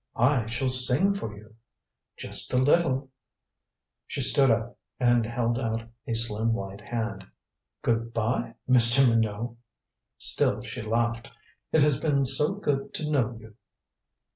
I shall sing for you. Just a Little." She stood up, and held out a slim white hand. "Good by, Mr. Minot." Still she laughed. "It has been so good to know you."